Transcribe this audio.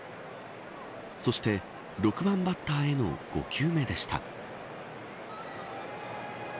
そして、６番バッターへの５球目でした。